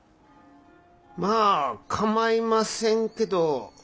まぁ構いませんけど。